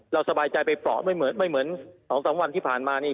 เราสบายใจไปปล่อยไม่เหมือนไม่เหมือนสองสามวันที่ผ่านมานี่